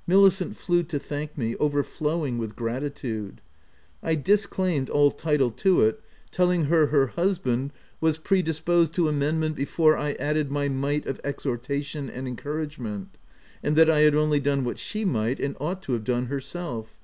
'* Milicent flew to thank me, overflowing with gratitude. I disclaimed all title to it, telling 96 THE TENANT her her husband was predisposed to amend ment before I added my might of exhortation and encouragement, and that I had only done what she might — and ought to — have done herself.